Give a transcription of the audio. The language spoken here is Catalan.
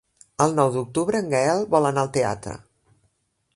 El nou d'octubre en Gaël vol anar al teatre.